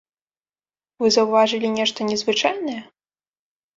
Вы заўважылі нешта незвычайнае?